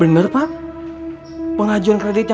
terima kasih ya